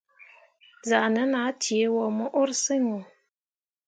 Zahnen ah ceeni mo urseŋ wo.